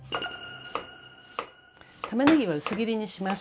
たまねぎは薄切りにします。